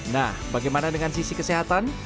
nah bagaimana dengan sisi kesehatan